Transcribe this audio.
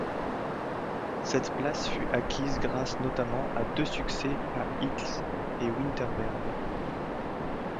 Cette place fut acquise grâce notamment à deux succès à Igls et à Winterberg.